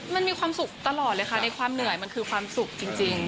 มันมีความสุขตลอดเลยค่ะในความเหนื่อยมันคือความสุขจริง